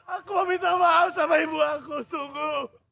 aku mau minta maaf sama ibu aku tunggu